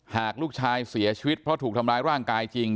หากลูกชายเสียชีวิตเพราะถูกทำร้ายร่างกายจริง